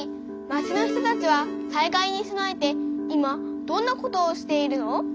町の人たちは災害に備えて今どんなことをしているの？